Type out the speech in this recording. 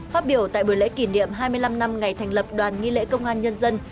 phát biểu tại buổi lễ kỷ niệm hai mươi năm năm ngày thành lập đoàn nghi lễ công an nhân dân